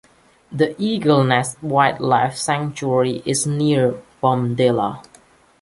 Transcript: The Eaglenest Wildlife Sanctuary is near Bomdila.